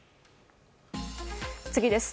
次です。